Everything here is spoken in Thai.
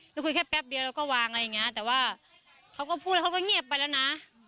คุยแค่แป๊บเดียวแล้วก็วางอะไรอย่างนี้แต่ว่าเขาก็พูดแล้วเขาก็เงียบไปแล้วนะ